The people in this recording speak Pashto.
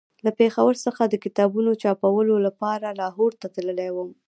له پېښور څخه د کتابونو چاپولو لپاره لاهور ته تللی وم.